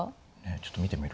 ちょっと見てみる？